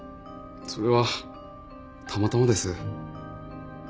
それはたまたまです。